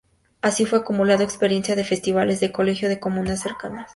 Así fue acumulando experiencia en Festivales de Colegio y de Comunas cercanas.